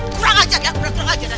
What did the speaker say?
kurang ajar ya kurang ajar ya